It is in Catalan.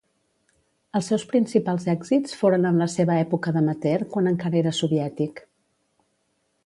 Els seus principals èxits foren en la seva època d'amateur quan encara era soviètic.